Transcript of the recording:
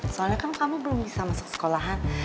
soalnya kan kamu belum bisa masuk sekolahan